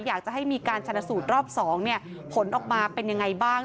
อยากจะให้มีการชนะสูตรรอบ๒ผลออกมาเป็นยังไงบ้าง